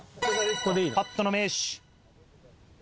パットの名手。